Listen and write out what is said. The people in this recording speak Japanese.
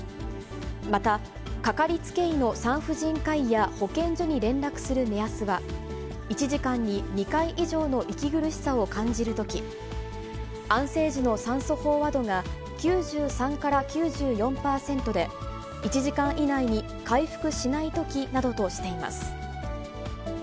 また、かかりつけ医の産婦人科医や保健所に連絡する目安は、１時間に２回以上の息苦しさを感じるとき、安静時の酸素飽和度が９３から９４％で、１時間以内に回復しないときなどとしています。